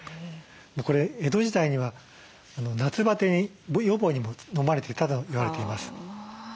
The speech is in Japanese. これ江戸時代には夏バテ予防にも飲まれてたと言われています。